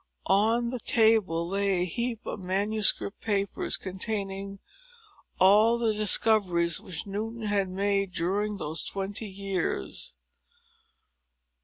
On the table lay a heap of manuscript papers, containing all the discoveries which Newton had made during those twenty years.